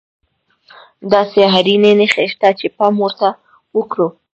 داسې اړينې نښې شته چې پام ورته وکړو.